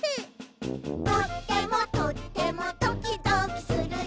「とってもとってもドキドキするね」